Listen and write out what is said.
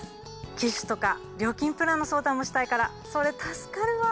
機種とか料金プランの相談もしたいからそれ助かるわ。